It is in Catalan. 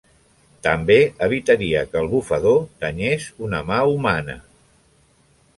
També evitaria que el bufador danyés una mà humana.